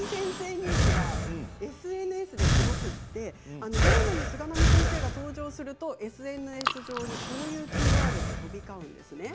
人気がＳＮＳですごくってドラマに菅波先生が登場するとＳＮＳ上に、こういうキーワードが飛び交います。